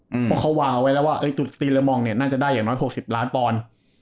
เพราะเขาวางเอาไว้แล้วว่าตีละมองเนี่ยน่าจะได้อย่างน้อย๖๐ล้านปอนด์